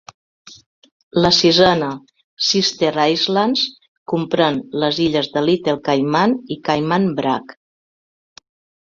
La sisena, Sister Islands, comprèn les illes de Little Cayman i Cayman Brac.